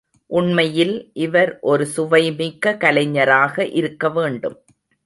உண்மையில் இவர் ஒரு சுவைமிக்க கலைஞராக இருக்க வேண்டும்.